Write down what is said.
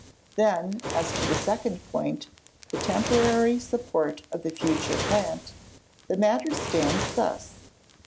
Then, as to the second point, the temporary support of the future plant, the matter stands thus.